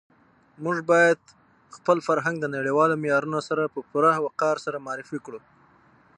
موږ باید خپل فرهنګ د نړیوالو معیارونو سره په پوره وقار سره معرفي کړو.